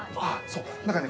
何かね